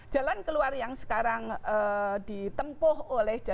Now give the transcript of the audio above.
jalan keluar yang sekarang ditempuh oleh jalan